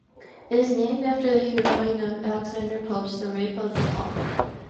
It is named after the heroine of Alexander Pope's "The Rape of the Lock".